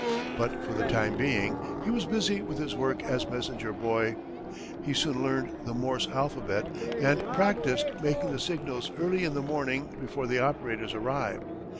But for the time being, he was busy with his work as messenger boy. He soon learned the Morse alphabet and practised making the signals early in the morning before the operators arrived.